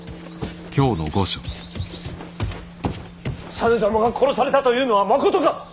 実朝が殺されたというのはまことか！